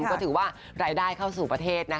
ก็ถือว่ารายได้เข้าสู่ประเทศนะ